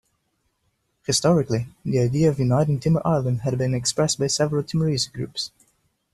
Historically, the idea of uniting Timor Island had been expressed by several Timorese groups.